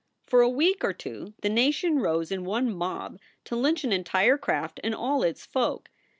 For a week or two the nation rose in one mob to lynch an entire craft and all its folk.